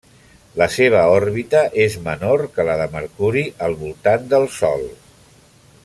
La seva òrbita és menor que la de Mercuri al voltant del Sol.